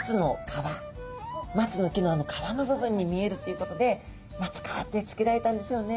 松の木のあの皮の部分に見えるっていうことでマツカワって付けられたんでしょうね。